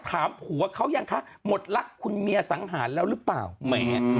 ถามผัวเขายังคะหมดรักคุณเมียสังหารแล้วหรือเปล่าแหม